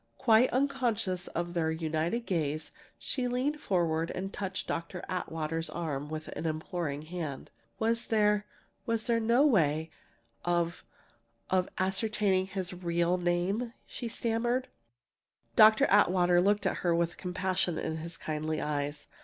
Quite unconscious of their united gaze, she leaned forward and touched Dr. Atwater's arm with an imploring hand. "Was there was there no way of of ascertaining his real name?" she stammered. Dr. Atwater looked at her with compassion in his kindly eyes.